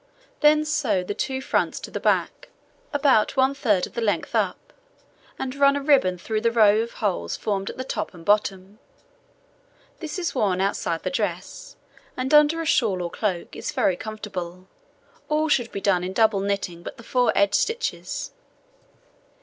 Then sew the two fronts to the back, about one third of the length up, and run a ribbon through the row of holes formed at the top and bottom. This is worn outside the dress; and under a shawl or cloak is very comfortable. All should be done in double knitting but the 4 edge stitches.